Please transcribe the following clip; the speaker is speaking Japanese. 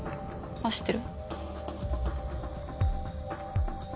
走ってる。